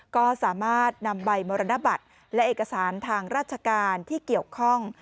ก็สามารถนำใบมรณบัตรและเอกสารทางราชการที่เกี่ยวข้อง